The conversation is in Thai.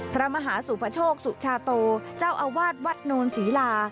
พระมหาสุพโชคสุชาโตเจ้าอาวาสวัตว์นวัดนวลศีลา